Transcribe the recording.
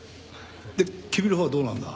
で君のほうはどうなんだ？